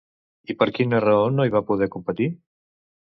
I per quina raó no hi va poder competir?